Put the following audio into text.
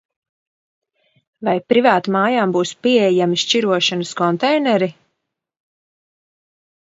Vai privātmājām būs pieejami šķirošanas konteineri?